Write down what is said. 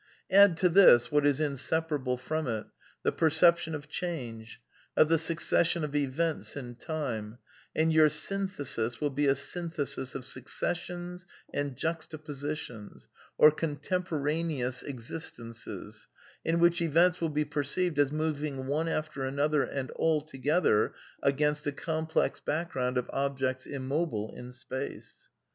Add to this — what is inseparable from it — the perception of change, of the succession of events in time, and your syn thesis will be a synthesis of successions and juxtapositions, or contemporaneous existences, in which events wUl be per ceived as moving one after another and altogether, against a complex back^ound of objects immobile in space.